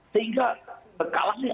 sehingga berkalah nih